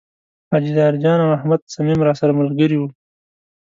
حاجي ظاهر جان او احمد صمیم راسره ملګري و.